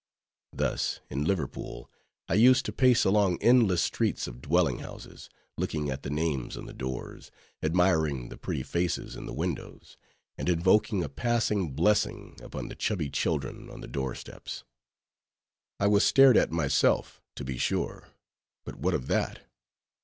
Thus, in Liverpool I used to pace along endless streets of dwelling houses, looking at the names on the doors, admiring the pretty faces in the windows, and invoking a passing blessing upon the chubby children on the door steps. I was stared at myself, to be sure: but what of that?